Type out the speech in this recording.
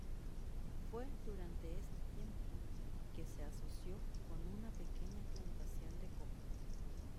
Fue durante este tiempo que se asoció con una pequeña plantación de coco.